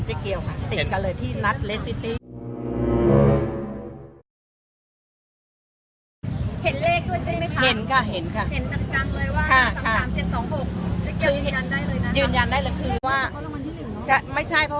เจ๊เกียวเห็นตอนที่พิชาก็ให้พลูกพีชาเลยเหรอคะ